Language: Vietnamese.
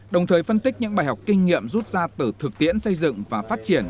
đồng thời phân tích những bài học kinh nghiệm rút ra từ thực tiễn xây dựng và phát triển